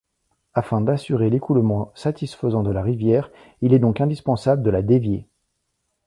Afin d'assurer l'écoulement satisfaisant de la rivière, il est donc indispensable de la dévier.